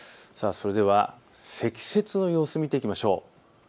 それでは積雪の様子を見ていきましょう。